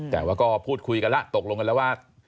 แต่ว่าก็พูดคุยกันแล้วตกลงกันแล้วว่า